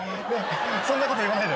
そんなこと言わないで。